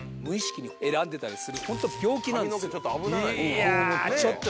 いやちょっと。